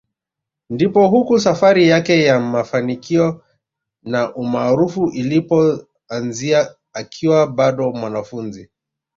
Ndipo huko safari yake ya mafanikio na umaarufu ilipoanzia akiwa bado mwanafunzi